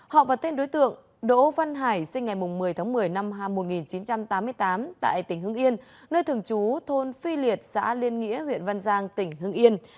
họ và tên đối tượng đỗ văn hải sinh ngày một mươi tháng một mươi năm một nghìn chín trăm tám mươi tám tại tỉnh hưng yên nơi thường trú thôn phi liệt xã liên nghĩa huyện văn giang tỉnh hưng yên